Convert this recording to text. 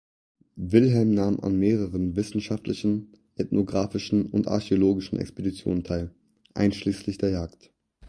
Wilhelm nahm an mehreren wissenschaftlichen, ethnographischen und archäologischen Expeditionen teil, einschließlich der Jagd.